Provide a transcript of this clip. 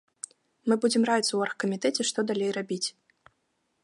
Мы будзем раіцца ў аргкамітэце, што далей рабіць.